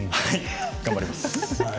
頑張ります。